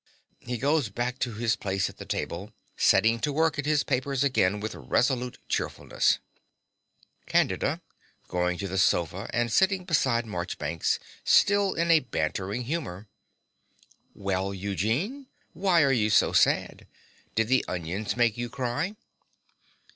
(He goes back to his place at the table, setting to work at his papers again with resolute cheerfulness.) CANDIDA (going to the sofa and sitting beside Marchbanks, still in a bantering humor). Well, Eugene, why are you so sad? Did the onions make you cry?